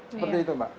seperti itu mbak